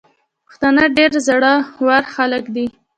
پښتانه ډير زړه ور خلګ دي.